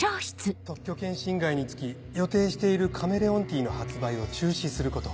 「特許権侵害につき予定しているカメレオンティーの発売を中止すること。